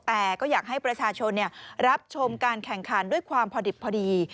แต่ก็อยากให้ประชาชนรับชมการแข่งขันด้วยความพอดิบพอดี